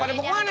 pada pokok mana